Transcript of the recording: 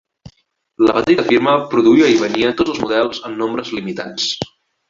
La petita firma produïa i venia tots els models en nombres limitats.